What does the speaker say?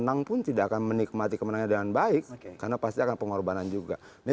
nanti kita akan soal ini